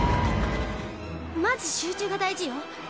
まず集中が大事よ。